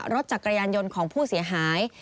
รถจักรยานยนต์ของผู้เสียหาย